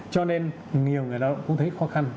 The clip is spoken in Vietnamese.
cho nên nhiều người lao động cũng thấy khó khăn